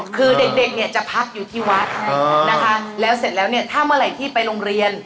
คือเด็กเนี่ยจะพักอยู่ที่วัดนะคะแล้วเสร็จแล้วเนี่ยถ้าเมื่อไหร่ที่ไปโรงเรียน